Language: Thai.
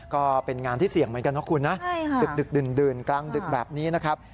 ก็เป็นงานที่เสี่ยงเหมือนกันนะคุณนะดึกดื่นกลางดึกแบบนี้นะครับ